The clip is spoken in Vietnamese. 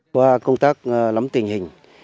qua công tác nắm tình hình